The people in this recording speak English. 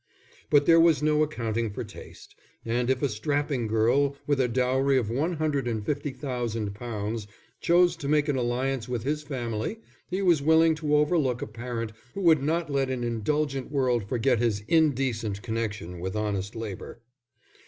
But there was no accounting for taste; and if a strapping girl, with a dowry of one hundred and fifty thousand pounds, chose to make an alliance with his family, he was willing to overlook a parent who would not let an indulgent world forget his indecent connection with honest labour.